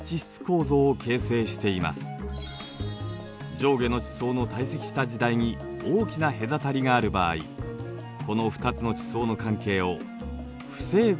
上下の地層の堆積した時代に大きなへだたりがある場合この２つの地層の関係を不整合といいます。